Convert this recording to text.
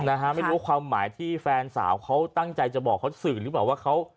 ไม่รู้ว่าความหมายที่แฟนสาวเขาตั้งใจจะบอกเขาสื่อหรือเปล่าว่าเขา